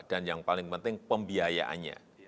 dan yang paling penting pembiayaannya